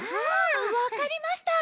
わかりました。